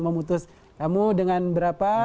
memutus kamu dengan berapa